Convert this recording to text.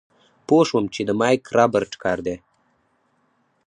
پوه شوم چې د مايک رابرټ کار دی.